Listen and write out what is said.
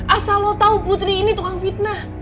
asal lo tahu putri ini tukang fitnah